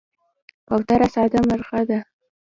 کوتره ساده مرغه ده.